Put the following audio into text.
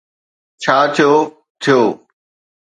ڇا ٿيو، ٿيو.